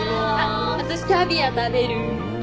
私キャビア食べる。